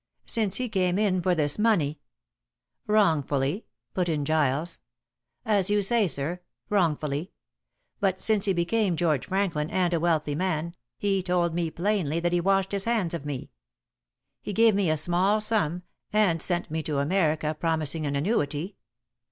Since he came in for this money " "Wrongfully," put in Giles. "As you say, sir wrongfully. But since he became George Franklin and a wealthy man, he told me plainly that he washed his hands of me. He gave me a small sum, and sent me to America, promising an annuity.